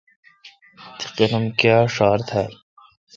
تی قلم کیا ڄھار تھال؟